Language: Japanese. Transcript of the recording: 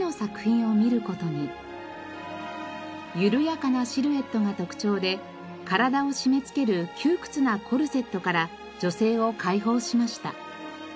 緩やかなシルエットが特徴で体を締めつける窮屈なコルセットから女性を解放しました。